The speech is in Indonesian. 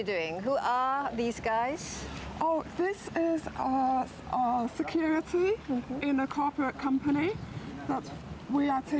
dan juga olimpiade